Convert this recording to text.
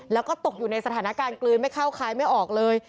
แล้วก็ตกอยู่ในสถานการณ์กลืนไม่เข้าคลายไม่ออกเลย